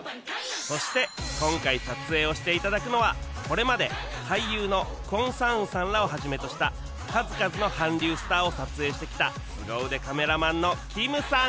そして今回撮影をして頂くのはこれまで俳優のクォン・サンウさんらを始めとした数々の韓流スターを撮影してきたすご腕カメラマンのキムさん